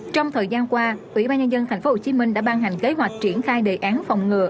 trong thời gian qua ủy ban nhân dân tp hcm đã ban hành kế hoạch triển khai đề án phòng ngừa